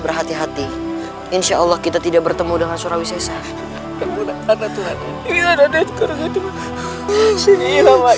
berhati hati insyaallah kita tidak bertemu dengan surawi sesak tempatnya tuhan ini